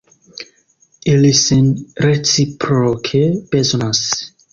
Ili sin reciproke bezonas.